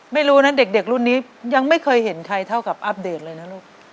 ไม่รู้นะเด็กรุ่นนี้ยังไม่เคยเห็นใครเท่ากับอัปเดตเลยนะลูก